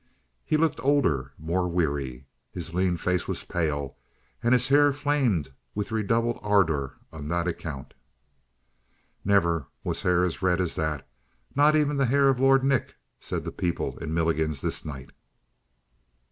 He looked older, more weary. His lean face was pale; and his hair flamed with redoubled ardor on that account. Never was hair as red as that, not even the hair of Lord Nick, said the people in Milligan's this night.